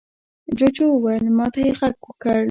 جوجو وويل: ما ته يې غږ وکړ.